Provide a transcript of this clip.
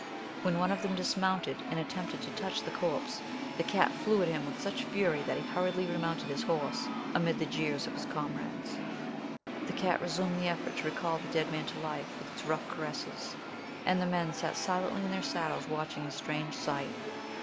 When one of them dismounted and attempted to touch the corpse the cat flew at him with such fury that he hurriedly remounted his horse, amid the jeers of his comrades. The cat resumed the effort to recall the dead man to life with its rough caresses, and the men sat silently in their saddles watching the strange sight.